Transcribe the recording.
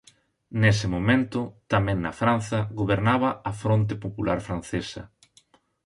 Nese momento tamén en Francia gobernaba a Fronte Popular Francesa.